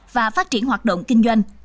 và phát triển hoạt động kinh doanh